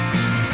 baik untuk lo